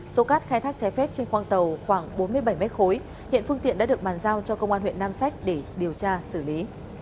số cát khai thác trái phép trên khoang tàu khoảng bốn mươi bảy m khối hiện phương tiện đã được bàn giao cho công an huyện nam sách để điều tra xử lý